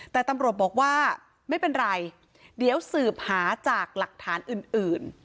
แต่ตำรวจบอกว่าไม่เป็นไรเดี๋ยวสืบหาจากหลักฐานอื่น